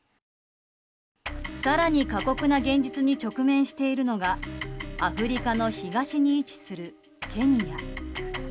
更に過酷な現実に直面しているのがアフリカの東に位置するケニア。